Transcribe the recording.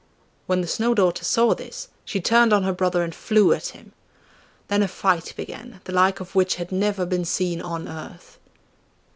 When the Snow daughter saw this she turned on her brother and flew at him. Then a fight began, the like of which had never been seen on earth.